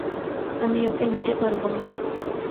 আমি ওকে নিতে পারবো না।